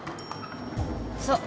そう。